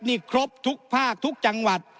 นี่ครบทุกภาคทุกจังหวัด